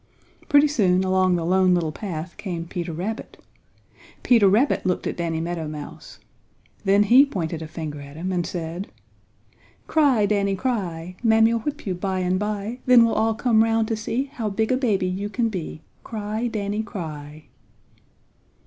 Pretty soon along the Lone Little Path came Peter Rabbit. Peter Rabbit looked at Danny Meadow Mouse. Then he pointed a finger at him and said: "Cry, Danny, cry! Mammy'll whip you by and by! Then we'll all come 'round to see How big a baby you can be. Cry, Danny, cry!"